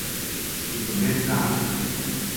И то не сам.